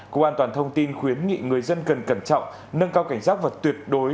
cụ an toàn thông tin khuyến nghị người dân cần cẩn trọng nâng cao cảnh giác vật tuyệt đối